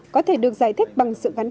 có thể được giải thích bằng sự gắn kết